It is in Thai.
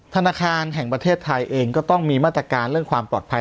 ธนาคารแห่งประเทศไทยเองก็ต้องมีมาตรการเรื่องความปลอดภัย